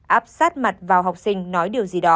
áp sát mặt vào học sinh nói điều gì đó